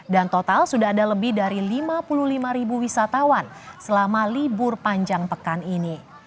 dan total sudah ada lebih dari lima puluh lima wisatawan selama libur panjang pekan ini